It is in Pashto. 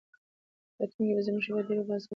په راتلونکي کې به زموږ هېواد ډېر باسواده ځوانان ولري.